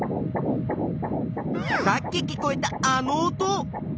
さっき聞こえたあの音。